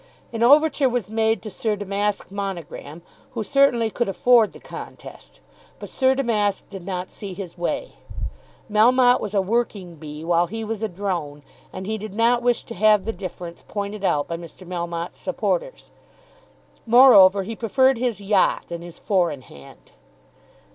An overture was made to Sir Damask Monogram, who certainly could afford the contest. But Sir Damask did not see his way. Melmotte was a working bee, while he was a drone, and he did not wish to have the difference pointed out by Mr. Melmotte's supporters. Moreover, he preferred his yacht and his four in hand.